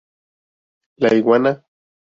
La Iguana